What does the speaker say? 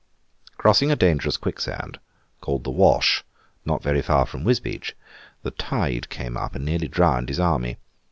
Crossing a dangerous quicksand, called the Wash, not very far from Wisbeach, the tide came up and nearly drowned his army.